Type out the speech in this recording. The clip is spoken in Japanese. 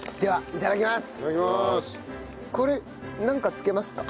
いただきます。